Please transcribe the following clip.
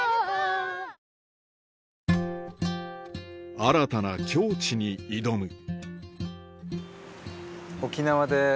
新たな境地に挑む会社？